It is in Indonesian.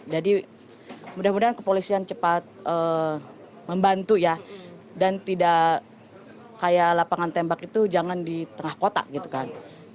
jadi mudah mudahan kepolisian cepat membantu ya dan tidak kayak lapangan tembak itu jangan di tengah kota gitu kan